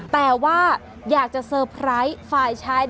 แต่ว่าอยากจะเตอร์ไพรส์ฝ่ายชาย